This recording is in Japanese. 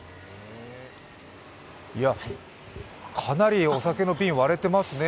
かなりお酒の瓶、割れていますね。